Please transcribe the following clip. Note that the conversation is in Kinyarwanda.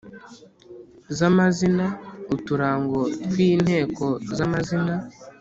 za mazina. Uturango twi nteko za mazina